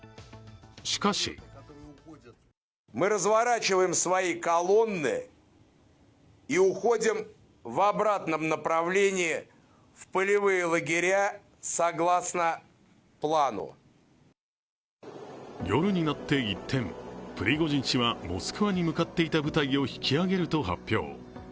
しかし夜になって一転、プリゴジン氏はモスクワに向かっていた部隊を引き上げると発表。